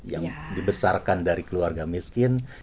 yang dibesarkan dari keluarga miskin